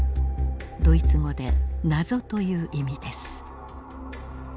ドイツ語で謎という意味です。